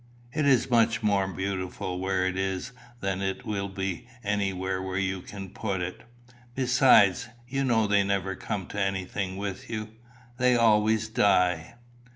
"It is much more beautiful where it is than it will be anywhere where you can put it. Besides, you know they never come to anything with you. They always die."